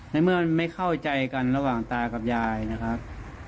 ในเมื่อไม่เข้าใจกันระหว่างตากับยายนะครับ